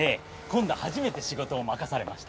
今度初めて仕事を任されました。